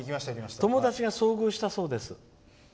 友達が遭遇したそうです。